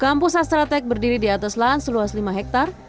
kampus astra tech berdiri di atas lahan seluas lima hektar